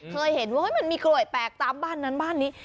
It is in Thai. เคยเห็นว่ามันมีกลวยแปลกตามบ้านนั้นบ้านนี้